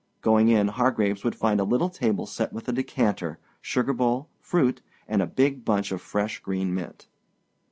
Going in, Hargraves would find a little table set with a decanter, sugar bowl, fruit, and a big bunch of fresh green mint.